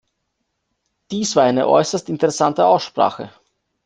Dies war eine äußerst interessante Aussprache.